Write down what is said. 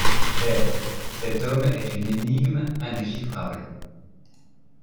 Chère, cet homme est une énigme indéchiffrable.